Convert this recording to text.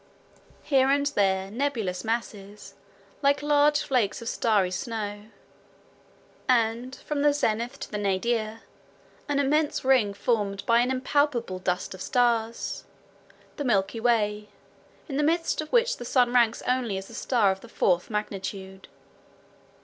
Here and there nebulous masses like large flakes of starry snow; and from the zenith to the nadir, an immense ring formed by an impalpable dust of stars, the "Milky Way," in the midst of which the sun ranks only as a star of the fourth magnitude.